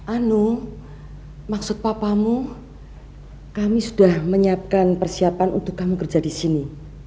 anu maksud papamu kami sudah menyiapkan persiapan untuk kamu kerja di sini